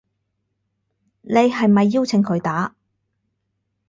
你係咪邀請佢打